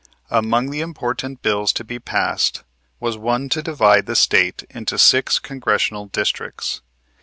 Among the important bills to be passed was one to divide the State into six Congressional Districts.